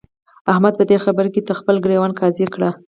احمده! په دې خبره کې ته خپل ګرېوان قاضي کړه.